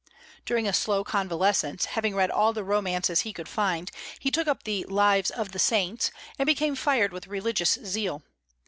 During a slow convalescence, having read all the romances he could find, he took up the "Lives of the Saints," and became fired with religious zeal.